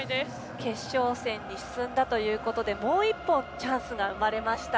決勝戦に進んだということでもう１本、チャンスが生まれました。